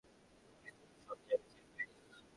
পানি তো সবজায়গায় থাকবেই।